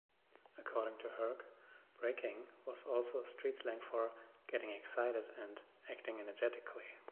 According to Herc, "breaking" was also street slang for "getting excited" and "acting energetically".